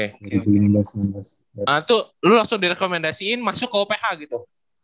nah itu lu langsung direkomendasiin masuk ke uph gitu